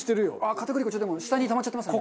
片栗粉ちょっとでも下にたまっちゃってますね。